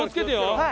はい。